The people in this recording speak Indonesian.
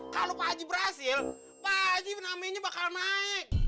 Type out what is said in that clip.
kalau pak haji berhasil pak haji namanya bakal naik